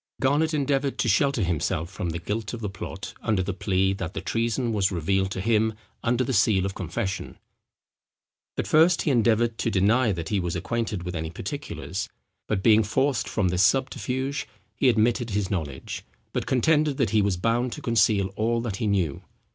Garnet endeavoured to shelter himself from the guilt of the plot, under the plea, that the treason was revealed to him under the seal of confession. At first he endeavoured to deny that he was acquainted with any particulars; but being forced from this subterfuge, he admitted his knowledge, but contended that he was bound to conceal all that he knew.